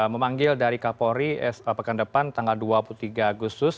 memanggil dari kapolri pekan depan tanggal dua puluh tiga agustus